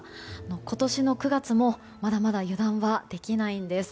今年の９月もまだまだ油断はできないんです。